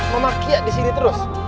memakia disini terus